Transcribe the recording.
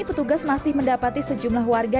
petugas masih mendapati sejumlah warga